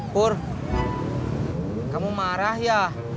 pur kamu marah ya